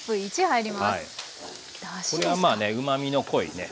これはうまみの濃いね